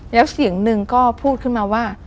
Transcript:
แล้วเสียงหนึ่งก็พูดขึ้นมาว่า